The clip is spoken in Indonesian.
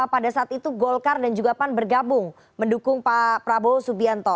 pada saat itu golkar dan juga pan bergabung mendukung pak prabowo subianto